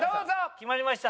決まりました。